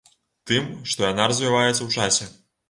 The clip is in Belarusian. Тым, што яна развіваецца ў часе.